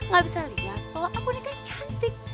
gak bisa lihat bahwa aku nih kan cueknya